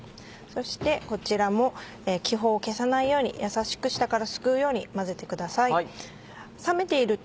そしてこちらも気泡を消さないようにやさしく下からすくうように混ぜてください。